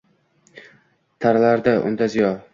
Taralardi undan ziyo